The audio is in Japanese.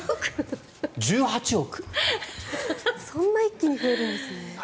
そんな一気に増えるんですね。